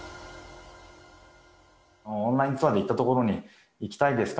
オンラインツアーで行った所に行きたいですか？